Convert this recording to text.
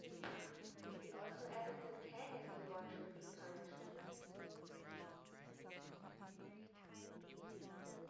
He also added that Kang is the one should be punished.